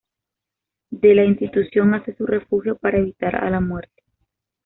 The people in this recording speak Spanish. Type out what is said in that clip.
De la institución hace su refugio para evitar a la muerte.